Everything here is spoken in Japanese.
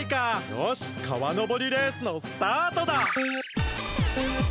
よし川のぼりレースのスタートだ！